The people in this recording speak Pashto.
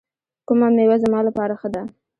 کومه میوه زما لپاره ښه ده؟